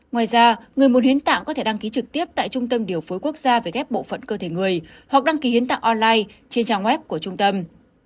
ngoài ra người muốn hiến tạng có thể đăng ký trực tiếp tại trung tâm điều phối quốc gia về ghép bộ phận cơ thể người hoặc đăng ký hiến tặng online trên trang web của trung tâm